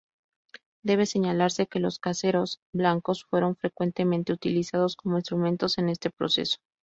Debe señalarse que los caseros blancos fueron frecuentemente utilizados como instrumentos en este proceso.